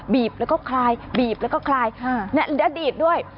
บีบแล้วก็คลายบีบแล้วก็คลายและบีบด้วย